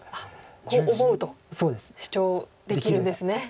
こう思うと主張できるんですね。